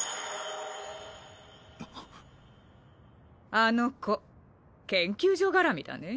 あの子研究所がらみだねぇ。